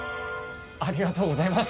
ありがとうございます。